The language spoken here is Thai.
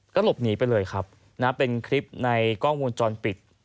ก็หลบหนีไปเลยครับเป็นคลิปในกล้องวงจรปิด